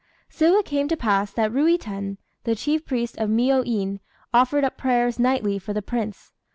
So it came to pass that Ruiten, the chief priest of Miyô In, offered up prayers nightly for the Prince.